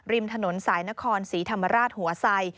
ริมถนนสายนครศรีธรรมราชหัวไซ